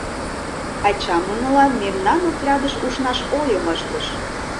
Ачам нунылан мемнан отрядыш ушнаш ойым ыштыш.